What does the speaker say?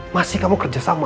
masih kamu kerja sama sama dia